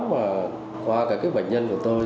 và qua các bệnh nhân của tôi